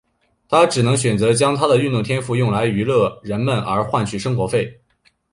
他只能选择将他的运动天赋用来娱乐人们而换取生活费。